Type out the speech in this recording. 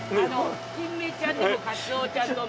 キンメちゃんでもカツオちゃんと豆柴ちゃん。